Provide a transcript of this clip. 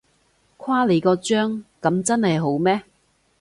誇你個張，噉真係好咩？